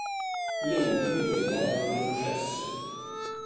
Le ultime tre vennero retrocesse.